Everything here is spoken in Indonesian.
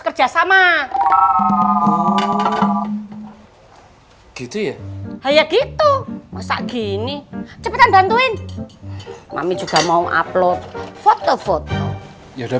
kerjasama gitu ya kayak gitu masa gini cepetan bantuin kami juga mau upload foto foto ya udah